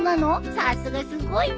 さすがすごいね。